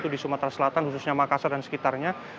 di sumatera selatan khususnya makassar dan sekitarnya